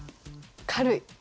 軽い。